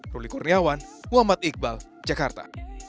ruli kurniawan muhammad iqbal jakarta